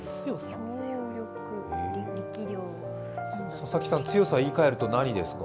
佐々木さん、強さ、言い換えると何ですか？